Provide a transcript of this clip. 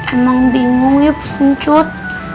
emang bingung ya pesencut